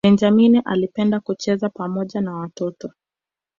benjamini alipenda kucheza pamoja na watoto